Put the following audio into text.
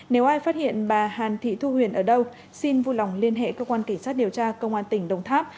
nếu ai phát hiện bà hàn thị thu huyền ở đâu xin vui lòng liên hệ cơ quan cảnh sát điều tra công an tỉnh đồng tháp